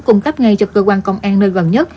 cung cấp ngay cho cơ quan công an nơi gần nhất